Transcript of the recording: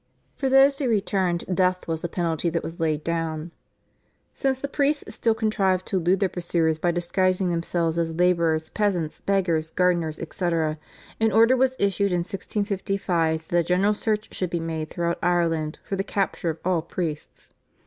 For those who returned death was the penalty that was laid down. Since the priests still contrived to elude their pursuers by disguising themselves as labourers, peasants, beggars, gardeners, etc., an order was issued in 1655 that a general search should be made throughout Ireland for the capture of all priests.